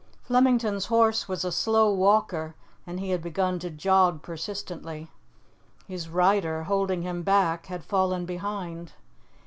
Flemington's horse was a slow walker, and he had begun to jog persistently. His rider, holding him back, had fallen behind.